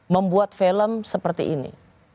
membuat film seperti ini